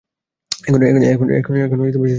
এখন শেষ করলে তোর ক্ষতি হবে।